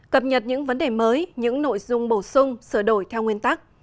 cập nhật những vấn đề mới những nội dung bổ sung sửa đổi theo nguyên tắc